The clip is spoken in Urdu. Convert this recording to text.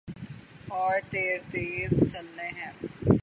اور تیر تیز چلنے ہیں۔